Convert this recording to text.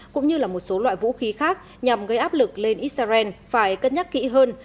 cũng như là một số loại vũ khí khác nhằm gây áp lực lên israel phải cân nhắc kỹ hơn